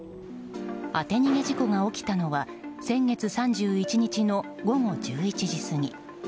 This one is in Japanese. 当て逃げ事故が起きたのは先月３１日の午後１１時過ぎ。